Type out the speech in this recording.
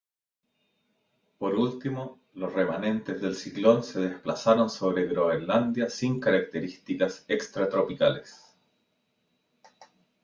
Por último, los remanentes del ciclón se desplazaron sobre Groenlandia sin características extratropicales.